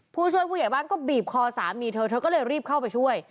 ผู้ช่วยผู้ใหญ่บ้านก็บีบคอสามีเธอเธอก็เลยรีบเข้าไปช่วย